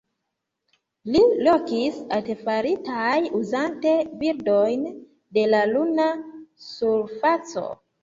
Li lokis artefaritaj uzante bildojn de la luna surfaco.